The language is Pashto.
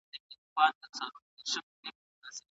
له بې وزلو سره همکاري وکړئ.